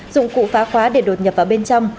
dụng cụ phá khóa để đột nhập vào bên trong